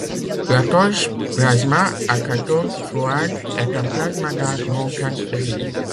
La torche plasma à cathode froide est un plasma d'arc non transféré.